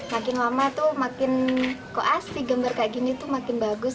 makin lama tuh makin kok asli gambar kayak gini tuh makin bagus